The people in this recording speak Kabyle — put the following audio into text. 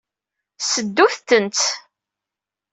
Seddut-tent.